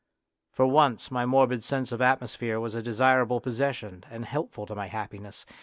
For once my morbid sense of atmosphere was a desirable possession and helpful to my happi ness.